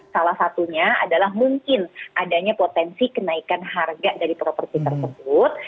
salah satunya adalah mungkin adanya potensi kenaikan harga dari properti tersebut